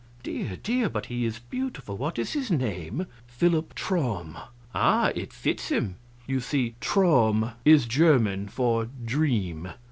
"Dear, dear, but he is beautiful what is his name?" "Philip Traum." "Ah, it fits him!" (You see, "Traum" is German for "Dream.")